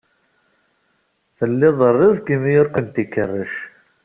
Tlid rezg imi ur kent-ikerrec